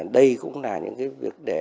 đây cũng là những việc đẹp